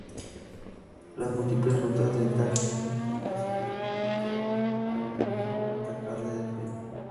Las múltiples rutas de ataque permitirán decidir flanquear al enemigo o atacarle de frente.